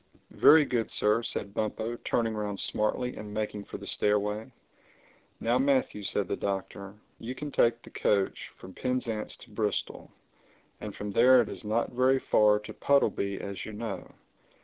"Very good, Sir," said Bumpo, turning round smartly and making for the stairway. "Now Matthew," said the Doctor, "you can take the coach from Penzance to Bristol. And from there it is not very far to Puddleby, as you know.